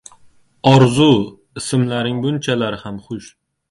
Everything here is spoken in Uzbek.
Orzu, ismlaring bunchalar ham xush